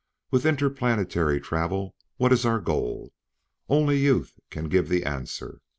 With interplanetary travel, what is our goal? Only youth can give the answer.